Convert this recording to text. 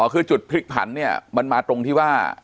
คือจุดพลิกผันเนี่ยมันมาตรงที่ว่า